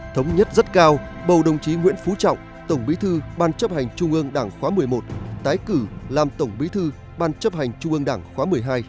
thống nhất rất cao bầu đồng chí nguyễn phú trọng tổng bí thư ban chấp hành trung ương đảng khóa một mươi một tái cử làm tổng bí thư ban chấp hành trung ương đảng khóa một mươi hai